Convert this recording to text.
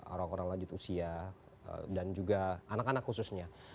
orang orang lanjut usia dan juga anak anak khususnya